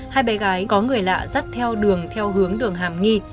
hai bé gái có người lạ dắt theo đường theo hướng đường hàm nghi